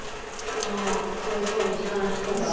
あそのすごい身近な人が？